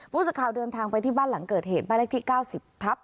พูดสักข่าวเดินทางไปที่บ้านหลังเกิดเหตุบ้านแรกที่๙๐๔๓